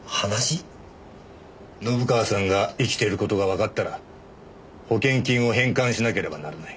信川さんが生きている事がわかったら保険金を返還しなければならない。